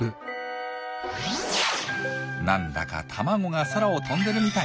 なんだか卵が空を飛んでるみたい。